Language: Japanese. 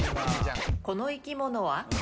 この生き物は？